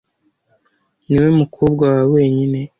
Niwe mukobwa wawe wenyine?